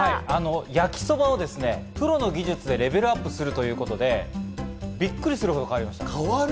焼きそばをプロの技術でレベルアップするということで、びっくりするほど変わりました。